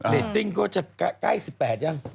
ตติ้งก็จะใกล้๑๘ยัง